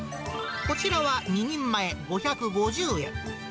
こちらは２人前、５５０円。